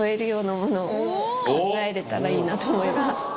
考えられたらいいなと思います。